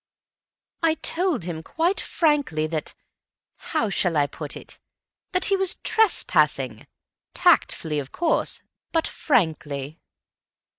"I told him quite frankly that—how shall I put it?—that he was trespassing. Tactfully, of course. But frankly."